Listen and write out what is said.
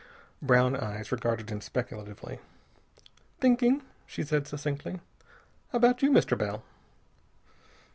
Brown eyes regarded him speculatively. "Thinking," she said succinctly. "About you, Mr. Bell."